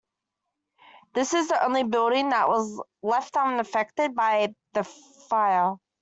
This is the only building that was left unaffected by fire.